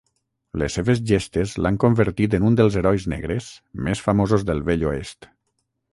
Les seves gestes l'han convertit en un dels herois negres més famosos del Vell Oest.